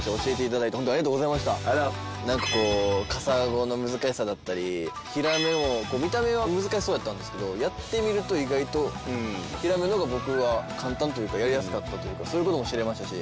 カサゴの難しさだったりヒラメを見た目は難しそうやったんですけどやってみると意外とヒラメの方が僕は簡単というかやりやすかったというかそういう事も知れましたし。